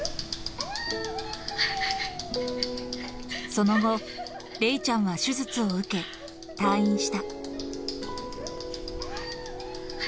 その後、れいちゃんは手術を受け、退院した。